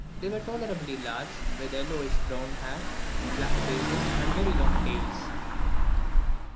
They were tolerably large, with yellowish, brown hair, black faces, and very long tails.